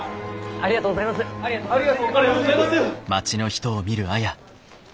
ありがとうございます！